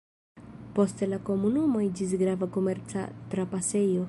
Poste la komunumo iĝis grava komerca trapasejo.